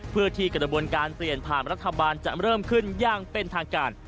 เพื่อที่กระบวนการเปลี่ยนผ่านรัฐบาลจะเริ่มขึ้นอย่างเป็นทางการ